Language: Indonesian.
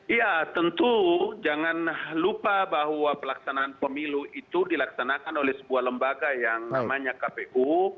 iya tentu jangan lupa bahwa pelaksanaan pemilu itu dilaksanakan oleh sebuah lembaga yang namanya kpu